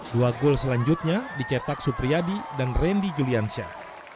dua gol selanjutnya dicetak supriyadi dan randy juliansyah